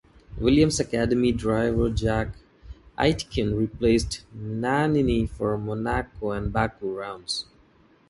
Williams Academy driver Jack Aitken replaced Nannini for the Monaco and Baku rounds.